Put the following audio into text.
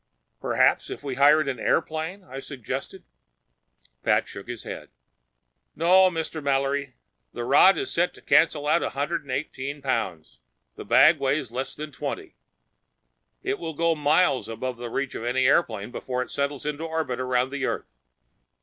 "Perhaps if we hired an airplane—?" I suggested. Pat shook his head. "No, Mr. Mallory. The rod was set to cancel 118 pounds. The bag weighed less than twenty. It will go miles beyond the reach of any airplane before it settles into an orbit around earth."